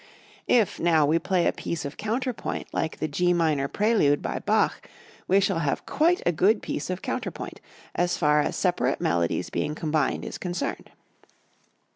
If, now, we play a piece of counterpoint like the G Minor Prelude by Bach, we shall have quite a good piece of counterpoint, as far as separate melodies being combined is concerned.